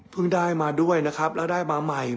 ได้มาด้วยนะครับแล้วได้มาใหม่